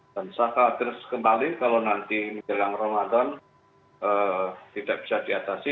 dan saya khawatir sekembali kalau nanti di jalan ramadan tidak bisa diatasi